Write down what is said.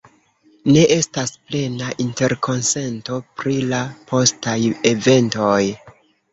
Ne estas plena interkonsento pri la postaj eventoj.